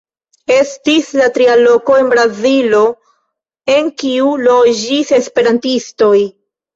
Estis la tria loko en Brazilo en kiu loĝis esperantistoj.